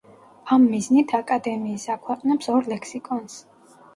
ამ მიზნით აკადემიის აქვეყნებს ორ ლექსიკონს.